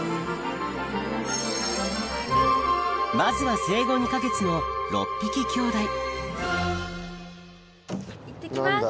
まずは生後２か月の６匹きょうだいいってきます！